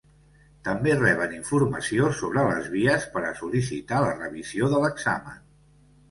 També reben informació sobre les vies per a sol·licitar la revisió de l'examen.